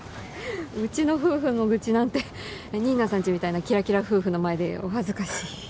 うちの夫婦の愚痴なんて新名さんちみたいなキラキラ夫婦の前でお恥ずかしい。